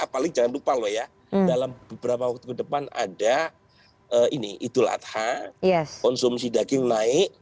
apalagi jangan lupa loh ya dalam beberapa waktu ke depan ada ini idul adha konsumsi daging naik